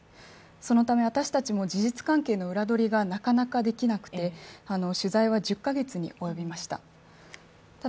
そのため、私たちも事実関係の裏取りがなかなかできなくて、取材は１０か月に及びました。